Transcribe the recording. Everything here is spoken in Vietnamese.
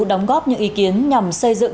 đóng góp những ý kiến nhằm xây dựng